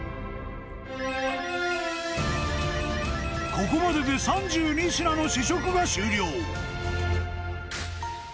［ここまでで３２品の試食が終了］